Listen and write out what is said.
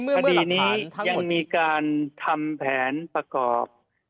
คดีนี้ยังมีการทำแผนประกอบ